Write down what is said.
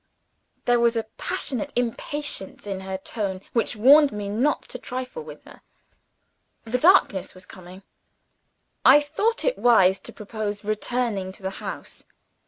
There was a passionate impatience in her tone which warned me not to trifle with her. The darkness was coming. I thought it wise to propose returning to the house.